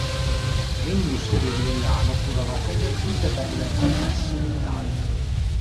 Le industrie di Legnano furono convertite per le commesse militari.